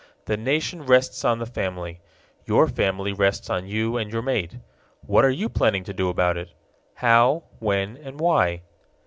The nation rests on the family. Your family rests on you and your mate. What are you planning to do about it? How, when, and why?